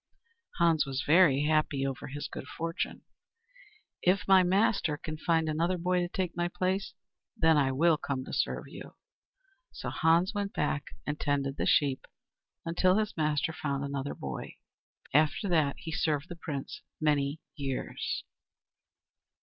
Hans was very happy over his good fortune. "If my master can find another boy to take my place, then I will come to serve you." So Hans went back and tended the sheep until his master found another boy. After that he served the Prince many years.